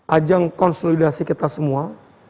ajang konsolidasi kita semua